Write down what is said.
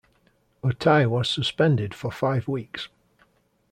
Utai was suspended for five weeks.